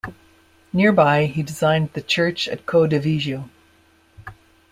Nearby, he designed the church at Codevigo.